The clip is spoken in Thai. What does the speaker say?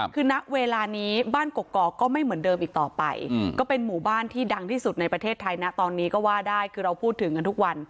คือณเวลานี้บ้านกกอกก็ไม่เหมือนเดิมอีกต่อไปก็เป็นหมู่บ้านที่ดังที่สุดในประเทศไทยนะตอนนี้ก็ว่าได้คือเราพูดถึงกันทุกวัน